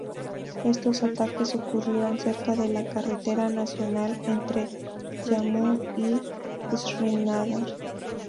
Estos ataques ocurrieron cerca de la Carretera Nacional entre Jammu y Srinagar.